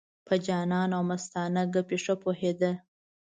په جانانه او مستانه ګپې ښه پوهېده.